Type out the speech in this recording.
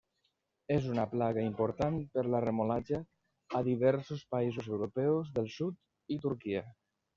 És una plaga important per la remolatxa a diversos països europeus del sud i Turquia.